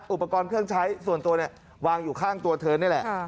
อุปกรณ์เครื่องใช้ส่วนตัวเนี่ยวางอยู่ข้างตัวเธอนี่แหละ